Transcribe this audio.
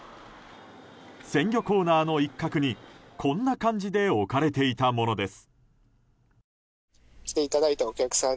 鮮魚コーナーの一角にこんな感じで置かれていたものです。